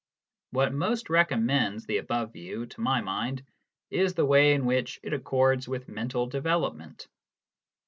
What most recommends the above view, to my mind, is the way in which it accords with mental development.